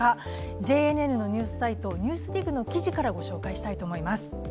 ＪＮＮのニュースサイト「ＮＥＷＳＤＩＧ」の記事からご紹介したいと思います。